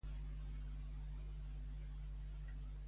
Què observava servir per endevinar el futur?